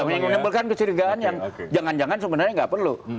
menimbulkan kecurigaan yang jangan jangan sebenarnya nggak perlu